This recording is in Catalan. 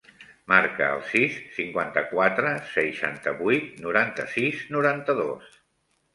Marca el sis, cinquanta-quatre, seixanta-vuit, noranta-sis, noranta-dos.